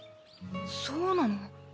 そうなの？